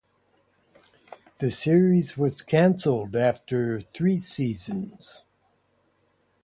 The series was canceled after three seasons.